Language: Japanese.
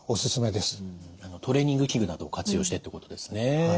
トレーニング器具などを活用してってことですね。